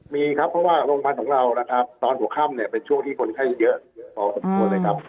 มีครับเพราะว่าโรงพยาบาลของเรานะครับตอนหัวค่ำเนี่ยเป็นช่วงที่คนไข้เยอะพอสมควรเลยครับ